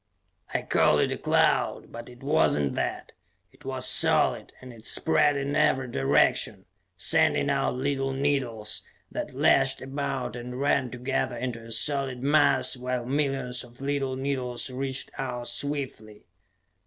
I call it a cloud, but it was not that. It was solid, and it spread in every direction, sending out little needles that lashed about and ran together into a solid mass while millions of little needles reached out swiftly.